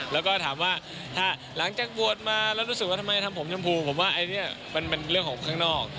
แล้วก็ถามว่าถ้าหลังจากบวชมาแล้วรู้สึกว่าทำไมทำผมชมพูผมว่าอันนี้มันเป็นเรื่องของข้างนอก